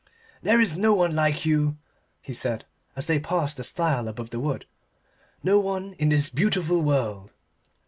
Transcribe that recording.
"There is no one like you," he said as they passed the stile above the wood; "no one in this beautiful world."